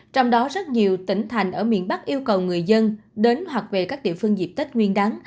trong đó rất nhiều tỉnh thành ở miền bắc yêu cầu người dân đến hoặc về các địa phương dịp tết nguyên đáng